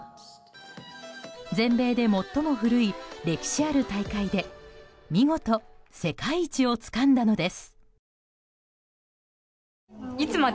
全米で最も古い歴史ある大会で見事世界一をつかんだのです。